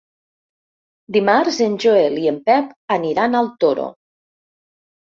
Dimarts en Joel i en Pep aniran al Toro.